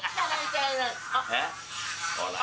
ほら。